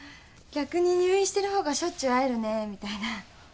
逆に入院してる方がしょっちゅう会えるねみたいな。